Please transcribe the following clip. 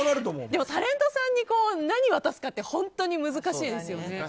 でもタレントさんに何渡すかって本当に難しいですよね。